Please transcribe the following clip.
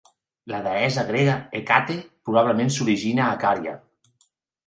La deessa grega Hècate probablement s'origina a Cària.